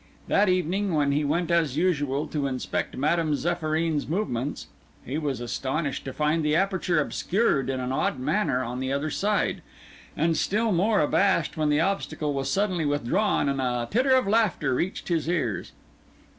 That evening, when he went as usual to inspect Madame Zéphyrine's movements, he was astonished to find the aperture obscured in an odd manner on the other side, and still more abashed when the obstacle was suddenly withdrawn and a titter of laughter reached his ears.